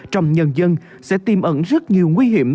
trong nhân dân sẽ tìm ẩn rất nhiều nguy hiểm